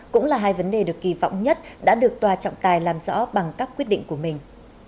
cũng là hai vấn đề được kỳ vọng nhất đã được tòa trọng tài làm rõ bằng các quyết định của mình